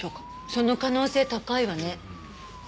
その可能性高いわね。